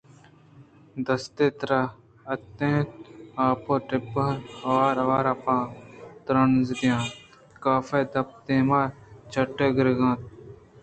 دستے تر ّاِت اَنت ءُآ پ ءِ ٹبءَ وار وارءَ آپاں ترّینز دیان اَت کہ کاف ءِ دپ ءُدیم ءَ چٹّ گرگ ءَ اِت اَنت